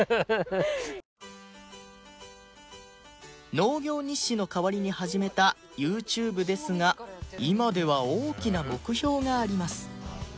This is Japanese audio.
農業日誌の代わりに始めた ＹｏｕＴｕｂｅ ですが今では大きな目標があります